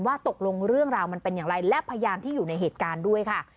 ตกลงเรื่องราวมันเป็นอย่างไรและพยานที่อยู่ในเหตุการณ์ด้วยค่ะ